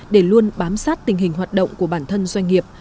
để luôn bám sát tình hình hoạt động của bản thân doanh nghiệp